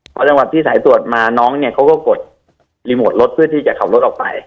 พอจังหวัดที่สายตรวจมาน้องเนี่ยเขาก็กดรีโมทรถเพื่อที่จะขับรถออกไป